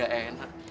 saya jadi gak enak